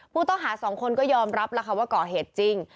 ผู้ต้องหาสองคนก็ยอมรับแล้วค่ะว่าก่อเหตุจริง